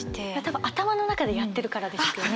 頭の中でやってるからですよね。